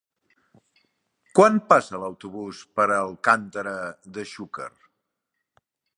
Quan passa l'autobús per Alcàntera de Xúquer?